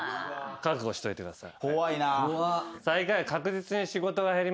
覚悟しといてください。